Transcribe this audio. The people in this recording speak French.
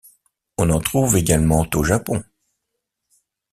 On en trouve également au Japon.